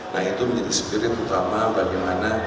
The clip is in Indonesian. nah itu menjadi spirit utama bagaimana